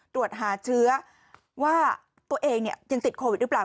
ตรวจหาเชื้อว่าตัวเองยังติดโควิดหรือเปล่า